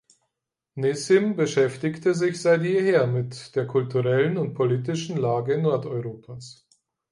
Nissim beschäftigte sich seit jeher mit der kulturellen und politischen Lage Nordeuropas.